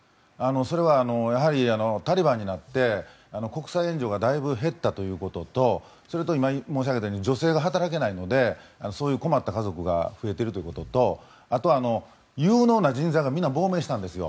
それはやはりタリバンになって国際援助がだいぶ減ったということとそれと、今申し上げたように女性が働けないのでそういう困った家族が増えているということとあとは有能な人材が皆、亡命したんですよ。